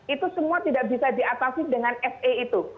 itu semua tidak bisa diatasi dengan se itu